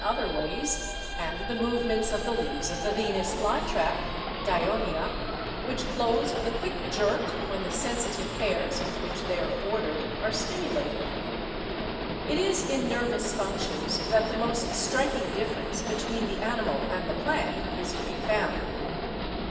other ways, and the movements of the leaves of the Venus lytrap (Dionea), which close with a quick jerk when the sensitive hairs with which they are bordered are stimu lated. It is in nervous functions that the most striking differ n6 BIOLOGY ence between the animal and the plant is to be found.